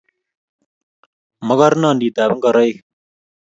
mogornonditab ngoroik